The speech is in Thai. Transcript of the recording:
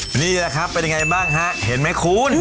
นี่แหละครับเป็นยังไงบ้างฮะเห็นไหมคุณ